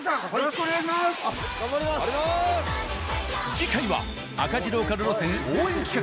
次回は赤字ローカル路線、応援企画。